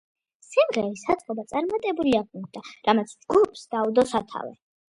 სიმღერის აწყობა წარმატებული აღმოჩნდა, რამაც ჯგუფს დაუდო სათავე.